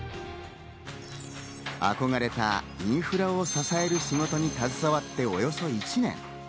憧れたインフラを支える仕事に携わっておよそ１年。